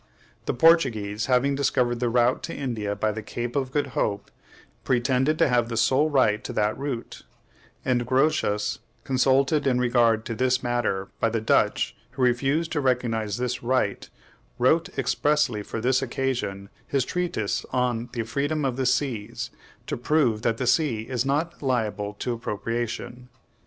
The Portuguese, having discovered the route to India by the Cape of Good Hope, pretended to have the sole right to that route; and Grotius, consulted in regard to this matter by the Dutch who refused to recognize this right, wrote expressly for this occasion his treatise on the "Freedom of the Seas," to prove that the sea is not liable to appropriation.